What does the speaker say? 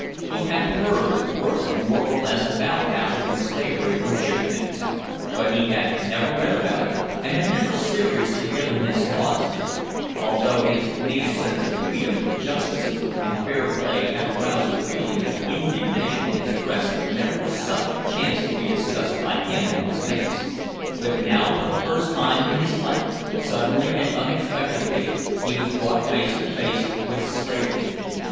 He had heard, of course, more or less about African slavery from shipmates, but he had never read about it, and had never seriously given his thoughts to it, although his native sense of freedom, justice, and fair play had roused a feeling of indignation in his breast whenever the subject chanced to be discussed by him and his mates. But now, for the first time in his life, suddenly and unexpectedly, he was brought face to face with slavery.